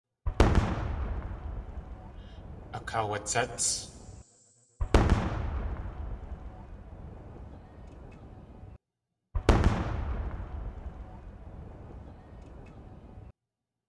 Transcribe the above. Akaawatséts.